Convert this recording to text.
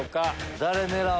誰狙う？